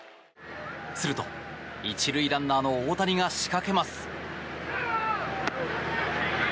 すると、１塁ランナーの大谷が仕掛けます。